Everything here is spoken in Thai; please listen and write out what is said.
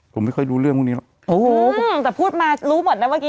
ผมไม่ค่อยรู้เรื่องพวกนี้หรอกโอ้โหแต่พูดมารู้หมดนะเมื่อกี้